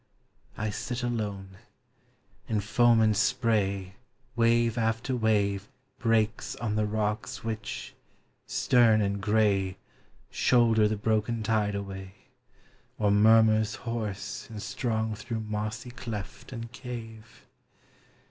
I sit alone ; in foam and spray Wave after wave Breaks on the rocks which, stern and gray, Shoulder the broken tide away, Or murmurs hoarse and strong through mossy cleft and cave. 430 POEMS OF NATURE.